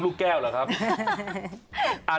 โลกแก้วหรอครับ